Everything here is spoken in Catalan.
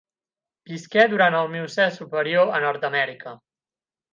Visqué durant el Miocè superior a Nord-amèrica.